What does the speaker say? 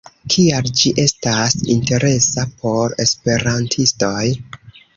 Kial ĝi estas interesa por esperantistoj?